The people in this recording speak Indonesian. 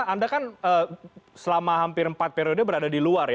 anda kan selama hampir empat periode berada di luar ya